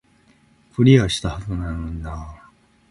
クリアしたはずなのになー